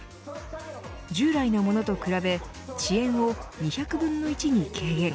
従来のものと比べ、遅延を２００分の１に軽減。